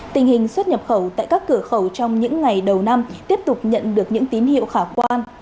tình hình xuất nhập khẩu tại các cửa khẩu trong những ngày đầu năm tiếp tục nhận được những tín hiệu khả quan